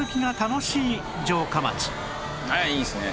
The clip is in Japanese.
あいいですね。